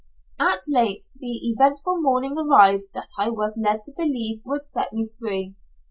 At length the eventful morning arrived that I was led to believe would set me free.